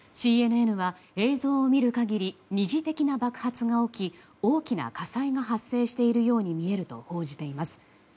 ＣＮＮは映像を見る限り二次的な爆発が起き大きな火災が発生しているように見えると報じています。